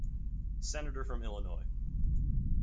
Senator from Illinois.